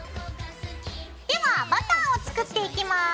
ではバターを作っていきます。